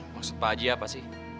maksud pak haji apa sih